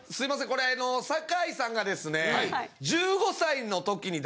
これ酒井さんがですね。